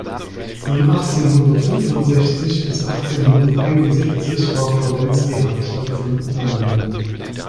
Von achtzehn-hundert-fünfundsechzig bis achtzehn-hundert-einundsiebzig war Florenz die Hauptstadt von Italien.